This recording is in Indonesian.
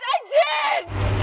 siap siap benturan ma